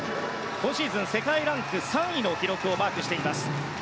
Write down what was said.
今シーズン世界ランキング３位の記録をマークしています。